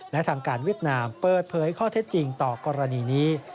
และทางการเวียดนามเปิดเผยข้อเท็จจริงต่อกรณีนี้